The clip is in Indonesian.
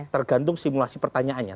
tergantung simulasi pertanyaannya